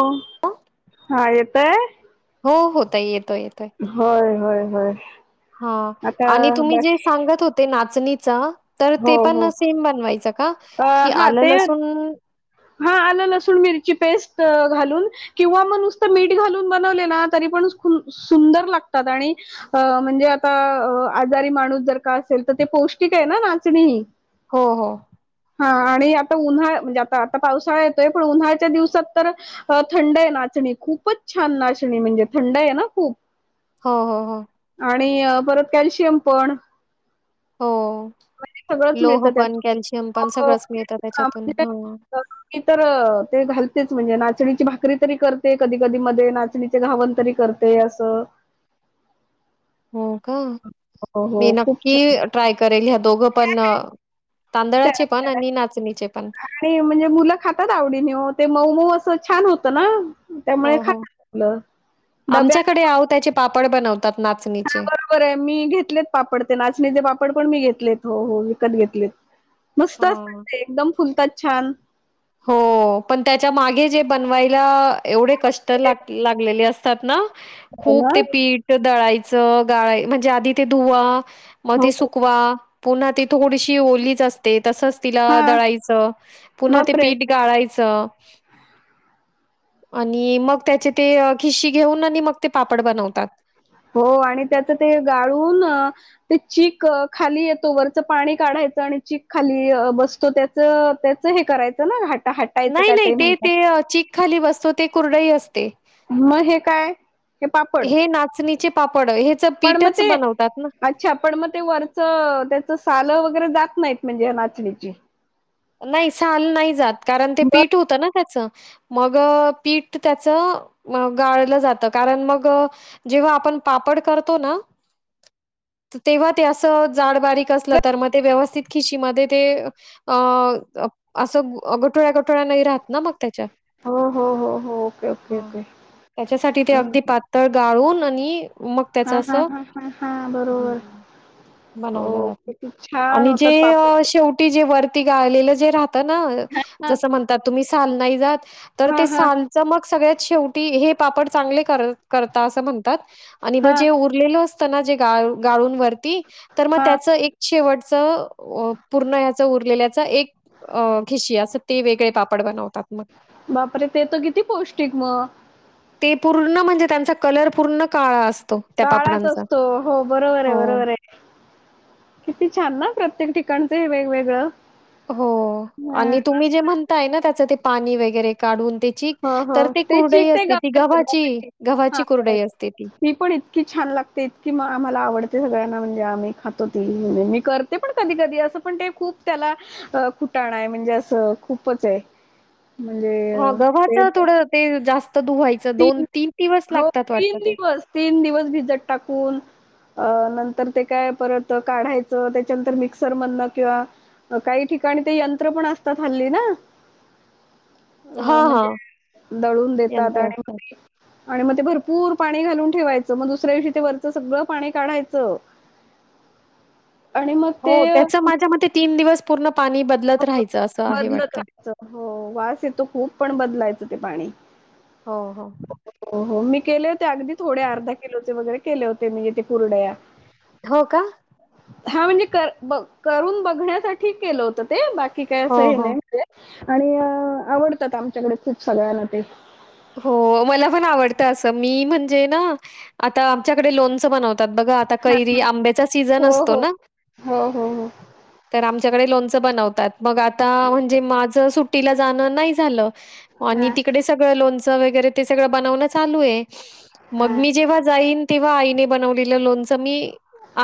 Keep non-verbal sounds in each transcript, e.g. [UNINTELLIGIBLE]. हो हा येत काय? हो होता येत होय होय. व्हयं. हा आणि तुम्ही जे सांगत होते ना. नाचणीच. तर हो ते हो पण सेम बनवायचं का? अ कि हा आलं ते लसूण हा आलं लसूण मिरची पेस्ट घालून किंवा मग नुसतं मीठ घालून बनवले ना तरी पण सुं सुंदर लागतात, आणि म्हणजे आता आजारी माणूस जर का असेल तर ते, पौष्टिक आहे ना नाचणीही. हो हो. हा आणि आता उन्हाळ म्हणजे आता ता पावसाळा येतोय, पण उन्हाळच्या दिवसात तर थंड आहे नाचणी, खूपच छान नाचणी म्हणजे थंड आहे ना खूप. हो हो हो. आणि परत कॅल्शियम पण. हो म्हणजे सगळंच लोह मिळतं पण, त्यातून. कॅल्शियम पण, मग सगळंच मिळतं अ, त्याच्यातून म्हणजे हो. मी तर ते घालतेच, म्हणजे नाचणीची भाकरी तरी करते, कधी कधी मध्ये नाचणीचे घावण तरी करते, असं हो का हो, मी हो. खूप नक्की छान. ट्राय करेन, ह्या दोघं पण तर तांदळाचे पन आणि नाचणीचे पण आणि म्हणजे मुलं खातात, आवडीने ओ, ते मऊ-मऊ अस छान होत ना हो त्यामुळे हो खातात मुलं. आमच्याकडे आवो त्याचे पापड बनवत हा बरोबर आहे, मी घेतलेत पापड ते नाचणीचे पापड पण मी घेतलेत. हो हो विकत घेतलेत. मस्त! हां. एकदम फुलतात. छान हो पण, त्याच्या मागे जे बनवायला एवढे कष्ट लाग लागलेले अस तातना. हो ना? खूप ते पीठ दळाय च, गाळाय म्हणजे आधी ते धुवा म ते हो. सुकवा पुन्हा ती थोडीशी ओलीच असते. तसच तिला हां. दळायचं. पुन्हा ते बापरे! पीठ गाळायचं. आणि मग त्याचे ते खिशी घेऊन आणि मग ते पापड बनवतात. हो आणि त्याच ते गाळून ते चिक खाली येतो वरचं पाणी काढायचं आणि चिक खाली बसतो त्याच त्याच हे करायचं ना घाट नाही नाही ते ते चीक खाली बसतो ते कुरडही असते मग हे काय हे पापड हे ना पण मग ते बनवतात अच्छा पण मग ते वरच त्याच साल वग खरं जात नाहीत म्हणजे नाचणीची नाही साल नाही जात कारण ते बर पीठ होतं ना त्याचं मग पीठ त्याच गाळलं जात कारण मग जेव्हा आपण पापड करतो ना तेव्हा ते अस जाड बारीक असलं तर मग ते व्यवस्थित खिची मदे ते अस गठूळ्या गठुळ्या नाही राहत ना मग त्याच्यात हो हो हो हो ओके ओके हम्म ओके त्याच्यासाठी ते अगदी पातळ वाळवून आणि मग हा त्याचं हा असं हा हा हा बरोबर हम्म बनवलं हो जातं किती छान आणि जे होतात पापड शेवटी जे वर ते गाळलेलं जे राह ना, हा जस म्हणतात तुम्ही सान नाइ जात तर हा ते हा साण च मग सगळ्यात शेवटी हे पापड चांगले कर करता अस म्हणतात आणि ब हा जे उरलेल अस जे गाळून वर तर मग हा त्याच एक शेवटच अ पूर्ण उरलेल्या एक अ खिशी वेळे पापड बनतात म बापरे ते तर किती पौष्टिक मग पूर्ण म्हणजे त्यांचा कलर पूर्ण काळा अस काळात असतो हो बरोबर ये हो. बरोबर ये किती छान ना प्रत्येक ठिकाणी कणचं वेगवेगळ हो आणि तुम्ही जे म्हणताय ना त्याच ते पाणी वगैरे काढून त्याची ह ह तर ती तेची कुरडई असते ती गव्हाची, गव्हाची कुरडई असते ती पण इतकी छान लागते इतकी आम्हाला आवडते सगळ्यांना म्हण आम्ही खातो, ती म्हंजे मी करते पण कधी कधी अस पण, ते खूप त्याला कुटाणा आहे म्हणजे अस खूपच ये. ह गव्हा थोडा वेळ ते जास तीन हो वाटतं तीन ते. दिवस तीन दिवस भिजत टाकून अ नंतर ते काय परत काढायच, त्याच्यानंतर मिक्सरमधन किंवा काही ठिकाणी ते यंत्र पण असतात हल्ली ना. अ हां, म्हणजे हां. दळून देत देतात यंत्र असतं. आणि म ते भर पूर पाणी घालून ठेवायच, मग दुसऱ्या दिवशी ते वरच सगळं पाणी काढायच. हो, त्याच माझ्या मते तीन दिवस पूर्ण पाणी बदलत राहायचं असं आहे बदलत वाटतं. राहायच, हो वास येतो खूप पण बदलायच. ते पाणी. हो हो. हो, हो मी केले होते, अगदी थोडे अर्धा किलोचे वगैरे केले होते मी इथे कुरडया. हो का? हा म्हणजे, ब करून बघण्यासाठी केल होत ते बाक कि काय अस हो, हे हो. नाही म्हणजे आणि आवडतात आमच्याकडे खूप सगळ्यांना ते. हो, मला पण आवडतं असं मी म्हणजे ना आता आमच्याकडे लोणच बनवतात, बघा आता हां, कैरी हां. आंब्याचा सीझन हो, असतो हो. ना, हो, हो, हो. तर आम आमच्याकडे लोणच बनवतात, मग आता म्हणजे माझ सुट्टीला जाण नाही झालं. आणि हां, तिकडे सगळं लोणचं लोणचं तेन वगैरे बनवणं चालू आहे, म हां, मी जेव्हा जाईन तेव्हा आईने बनवलेलं लोणचं मी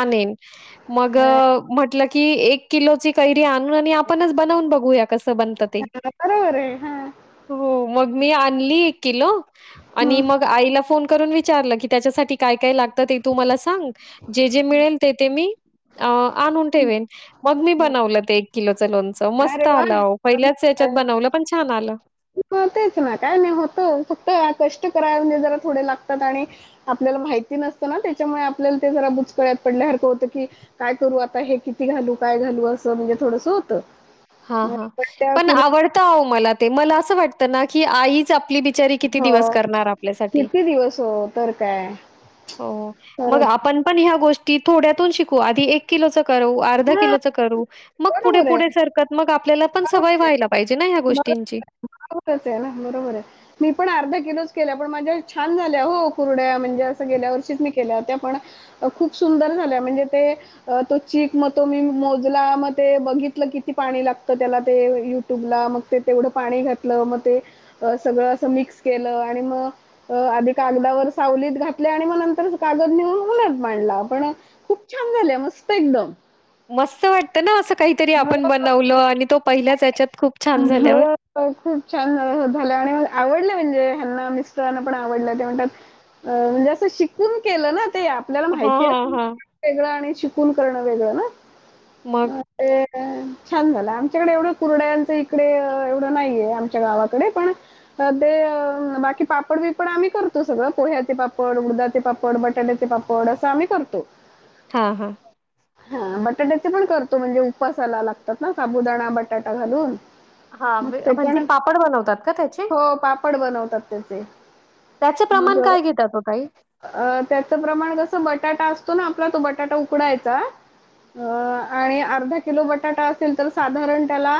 आणेन मग हां, म्हटलं की एक किलो ची कैरी आणू न आणि आपणच बनवून बघूया कसं कसं बनत ते, हां. बरोबर आहे. हां. हो मग मी आणली किलो आणि हं. मग आईला फोन करून विचारलं की त्याच्यासाठी काय काय लागत ते तु मला सांग जे जे मिळेल ते ते मी, अ आणून ठेवेन मग मी हो. बनवलं ते लोणच लोणच मस्त अरे आला वाह! हो पहिल्याच याच्यात बनवलं पण छान आलं, पण तेच ना काय नाही होत फक्त कष्ट करायला म्हणजे जरा थोडे लागतात आणि आपल्याला माहिती नसतं ना त्याच्यामुळे आपल्याला ते जरा बुचकळ्यात पडल्यासारखं होत की काय करू आता हे किती घालू काय घालू असं म्हणजे थोडस होत. हा हा पण आवडत अहो मला ते मलाअस वाटत ना की आईच आपली बिचारी किती दिवस हो. करणार आपल्या साठी किती दिवस हो तर काय? [INAUDIBLE] हो मग खरंच. आपण पण ह्या गोष्टी की थोड्यातून शिकू आधी एक किलोच करू अर्धा हां. किलोच करू बरोबर आहे. त्यात मग आप आपल्याला पण बरोबर सवय आहे. व्हायला पाहिजे ना हया् बरोबर गोष्टींची, [INAUDIBLE] आहे, बरोबरच आहे ना, बरोबर आहे. मी पण अर्धा किलोच केल्या पण माझ्या छान झाल्या हो कुरडया म्हणजे असं गेल्या वर्षीच मी केल्या होत्या पण खूप सुंदर झाल्या म्हणजे ते तो चीक मग तो मी मोजला मग ते बघितलं किती पाणी लागत, तर त्याला ते युट्यूबला मग ते तेवढं पाणी घातलं, मग ते सगळं असं मिक्स केलं आणि मग आधी कागदावर सावलीत घातल्या, आणि मग नंतर कागद नेऊन ऊन्हात मांडला पण खूप छान! झाले मस्त एकदम. मस्त वाटतं ना, असं काहीतरी आपण बनवलं हो. आणि तो पहिल्याच ह्याच्यात खूप छान झाल्यावर? हो, खूप छान झालं आणि आवडलं म्हणजे, ह्यांना मिस्टरांना पण आवडलं ते म्हणतात म्हणजे असं शिकून केलं ना. ते आपल्याला हां, माहिती हां, असेल हां. वेगळं आणि शिकु शिकून करणं वेगळं ना. मग हा ते. हो, छान! झाला आणि त्याच्याकडे एवढं कुरडयांच इकडे एवढं नाहीये, आमच्या गावाकडे पण ते बाकी पापड बिपड आम्ही करतो, सगळं पोह्याचे पापड उडदाचे पापड बटाट्याचे पापड असं आम्ही करतो. हा हा. ह बटाट्याचे पण करतो म्हणजे, उपासाला लागतात ना शाबुदाणा बटाटा घालून. हा मग ते म्हणजे पापड बनवतात का त्याचे पड बनवतात त्याचे. त्याचं मग प्रमाण काय घेतात ओ ताई? अ त्याच प्रमाण कस बटाटा अस तो ना आपला तो बटाटा उकडायचा अ आणि अर्धा किलो बटाटा असेल तर साधारण त्याला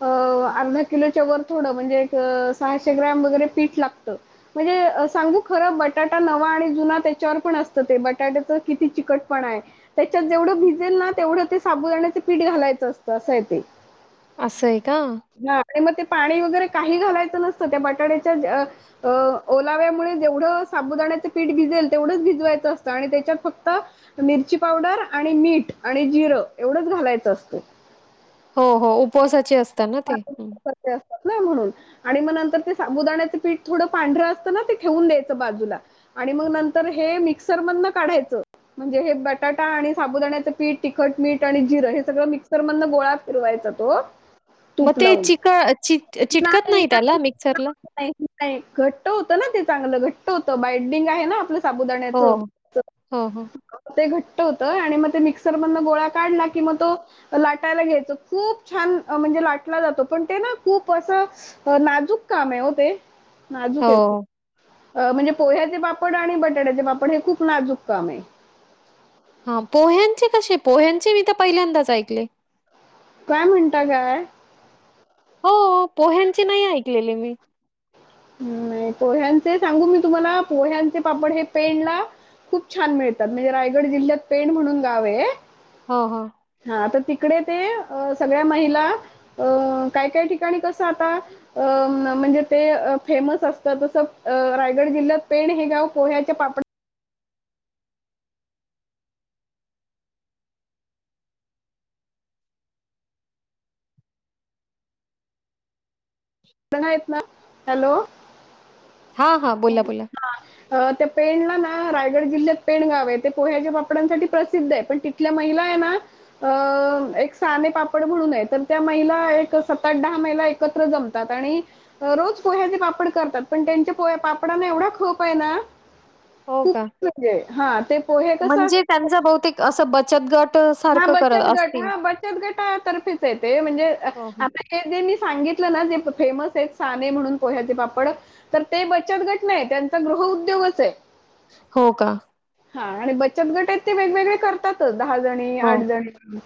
अ अर्धा किलोच्या वर थोडं म्हणजे, एक सहाशे ग्रॅम वगैरे पीठ लागतं म्हणजे सांगू खरं बटाटा नवा आणि जुना त्याच्यावर पण असतं ते बटाट्याच किती चिकटपण आहे, त्याच्यात जेवढं भिजेल ना तेवढं ते साबुदाण्याच पीठ घालायचं असतं असं आहे ते. असंय का? हां आणि म ते पाणी वगैरे काही घालायचं नसतं, त्या बटाट्याच्या आ अ ओलाव्यामुळे जेवढं साबुदाण्याचं पीठ भिजेल तेवढंच भिजवायचं असतं आणि त्याच्यात फक्त मिरची पावडर आणि मीठ आणि जिरं एवढंच घालायचं असतं. हो हो उपवासाची अस तं ना ते हम्म. [UNINTELLIGIBLE] म्हणून आणि म नंतर ते साबुदाण्याचं पीठ थोडं पांढरं असतं ना ते ठेवून द्यायचं बाजूला आणि मग नंतर हे मिक्सरमधनं काढायचं म्हणजे हे बटाटा आणि साबुदाण्याचं पीठ, तिखट, मीठ आणि जिरं हे सगळं मिक्सरमधनं गोळा फिरवायचा तो मग तूप ते लावून चिक चिट चिटकत [UNINTELLIGIBLE] नाही त्याला मिक्सरला? घट्ट होतं ना ते चांगलं घट्ट [UNINTELLIGIBLE] होतं बायडिंग आहे ना आपलं हो, साबुदाण्याचं हो, हो. ते घ ट्ट होतं आणि मग ते मिक्सरमधनं गोळा काढला की मग तो लाटायला घ्यायचं खूप छान अ म्हणजे लाटला जातो पण ते ना खूप असं अ नाजूक काम आहे हो ते. नाजूक आहे. हो. अ म्हणजे पोह्याचे पापड आणि बटाट्याचे पापड हे खूप नाजूक काम आहे. हा पोह्यांचे कसे? पोह्यांचे मी तर पहिल्यांदाच ऐकले. काय म्हणता काय? हो पोह्यांची नाही ऐकलेली मी. नाही पोह्यांचे सांगू मी तुम्हाला पोह्यांचे पापड हे पेणला खूप छान मिळतात. म्हणजे रायगड जिल्ह्यात पेण म्हणून गाव आहे. हो हो. हां तर तिकडे ते अ सगळ्या महिला अ काय काय ठिकाणी कसं आता अ म म्हणजे ते फेमस असतात तसं अ रायगड जिल्ह्यात पेण हे गाव पोह्याच्या पापड [INAUDIBLE] हॅलो? हां, हां. बोला, बोला. हा. अ ते पेणला ना रायगड जिल्ह्यात पेण गाव आहे ते, पोह्याच्या पापडांसाठी प्रसिद्ध आहे. पण तिथल्या महिला आहे ना, अ एक साने पापड म्हणून आहे तर, त्या महिला एक सात आठ दहा महिला एकत्र जम तात आणि रोज पोह्याचे पापड करतात, पण त्यांच्या पोहे पापडांना एवढा खप आहे ना हो का? हा ते पोहे म्हणजे त्यांचा बहुतेक असं, बचत गट हा सारखं करत बचत गट, असतील. हा बचत गटातर्फेच आहे. ते म्हणजे हो, हो. आता जे काही मी सांगितलं ना, तेे फेमस आहेत साने म्हणून पोह्याचे पापड, तर ते बचत गट नाही. त्यांचा गृह उद्योगच हाय. हो का? हा आणि बचत गट आहेत, ते वेगवेगळे करतातच. दहा जणी, हो. आठ जणी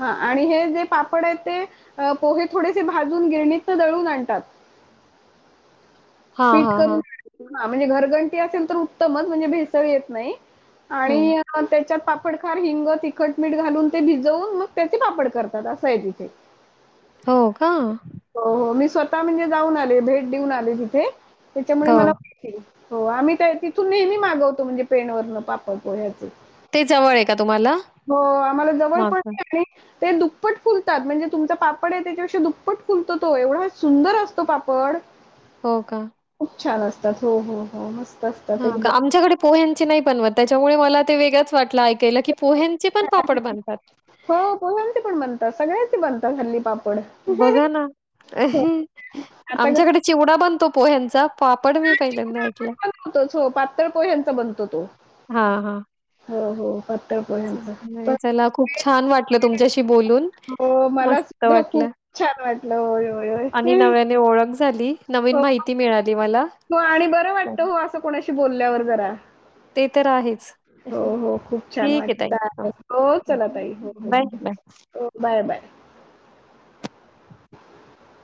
हा आणि हे जे पापड आहेत, ते पोहे थोडेसे भाजून गिरणीतन दळून आणतात. हा हा हा. हा म्हणजे घरघंटी असेल, तर उत्तमच म्हणजे भेसळ येत नाही. हं. आणि त्याच्यात पाप पडखार, हिंग, ती खटमीठ घालून ते भिजवून, मग त्याचे पापड करतात असं हाय तिथे. हो का? हो हो मी स्वतः म्हणजे जाऊन आले भेट देऊन आले तिथे. त्याच्यामुळे हो. मला [UNINTELLIGIBLE] हो आम्ही ते तिथून नेहमी मागवतो म्हणजे पेणवरणं पापड पोह्याचं. ते जवळ आहे का तुम्हाला? हो आम्हाला जवळ मागून. पडते आणि ते दुप्पट फुलतात म्हणजे तुमचा पापड आहे. त्याच्यापेक्षा दुप्पट फुलतो तो एवढा सुंदर असतो पापड हो का? खूप छान असतात हो हो हो म हं का आमच्याकडे पोह्यांचे नाही बनवत त्याच्यामुळे मला ते वेगळंच वाटलं ऐकायला की पोह्यांचे पण पापड बनतात. हो, पोह्यांचे पण बनतात, सगळ्याचे बनतात हल्ली पाप बघा ना अ आता आमच्याकडे कसं चिवडा बनतो. पोह्यांचा. पापड मी पहिल्यांदा ऐकलं आपण बनवतोच. पातळ पोह्यांचा बनतो तो. हा हा हो, हो. पातळ पोह्यांचा. पण चला खूप छान वाटलं तुमच्याशी बोलून हो, मला मस्त सुद्धा खूप वाटलं छान वाटलं. होय, होय, होय. आणि नव्याने ओळख झाली. नवीन हो माहिती मिळाली मला. हो आणि बर वाटत चालेल. हो असं कोणाशी कशी बोलल्यावर जरा ते तर आहेच. हो हो खूप छान वाटत आहे हो चला तई हो हो bye, bye. Okay bye bye [UNINTELLIGIBLE]